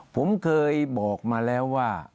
ผมเคยบอกมาแล้วว่า